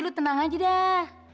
lo tenang aja dah